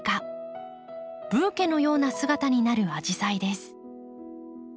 ブーケのような姿になるアジサイです。